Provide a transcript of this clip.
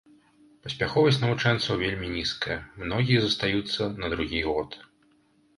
Паспяховасць навучэнцаў вельмі нізкая, многія застаюцца на другі год.